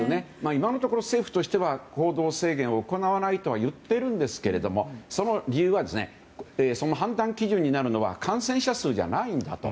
今のところ政府としては行動制限は行わないとは言ってるんですけどもその理由はその判断基準になるのは感染者数じゃないんだと。